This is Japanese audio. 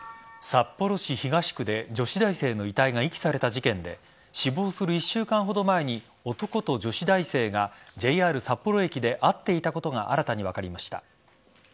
札幌市東区で女子大生の遺体が遺棄された事件で死亡する１週間ほど前に男と女子大生がＪＲ札幌駅で会っていたことが新たに分かりました。